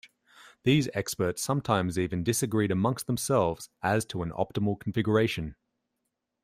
These experts sometimes even disagreed amongst themselves as to an optimal configuration.